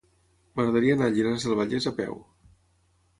M'agradaria anar a Llinars del Vallès a peu.